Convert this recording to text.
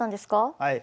はい。